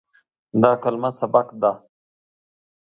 دا کلمه "سبق" ده.